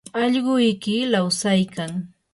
allquyki lawsaykan.